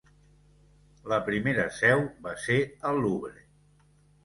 La primera seu va ser al Louvre.